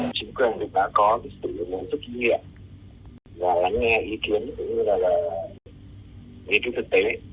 và có sự giúp đỡ kinh nghiệm và lắng nghe ý kiến cũng như là ý kiến thực tế